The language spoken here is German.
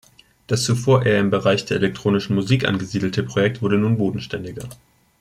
Das zuvor eher im Bereich der Elektronischen Musik angesiedelte Projekt wurde nun bodenständiger.